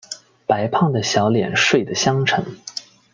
白胖的小脸睡的香沉